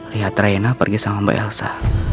lihat raina pergi sama mbak elsa